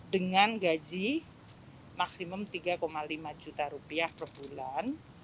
dengan gaji maksimum rp tiga lima juta per bulan